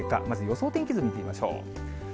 まず予想天気図を見てみましょう。